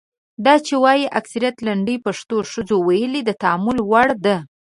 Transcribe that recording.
دا چې وايي اکثریت لنډۍ پښتنو ښځو ویلي د تامل وړ ده.